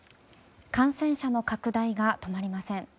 感染者の拡大が止まりません。